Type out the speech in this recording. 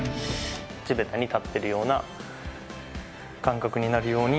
地べたに立ってるような感覚になるように。